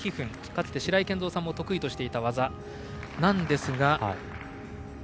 かつて白井健三さんも得意としていた技なんですが。